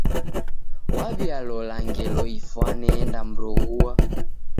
Waw'ialola ngelo ifwane endamroghua.